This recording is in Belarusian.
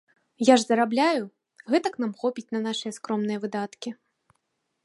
Я ж зарабляю, гэтак нам хопіць на нашыя скромныя выдаткі.